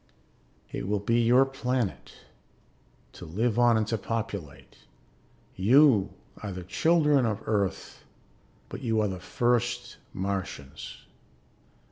"It will be your planet, to live on and to populate. You are the children of Earth but you are the first Martians."